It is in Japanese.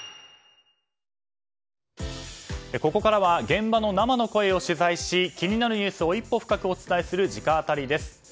ここからは現場の生の声を取材し気になるニュースを一歩深くお伝えする直アタリです。